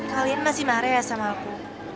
kalian masih marah ya sama aku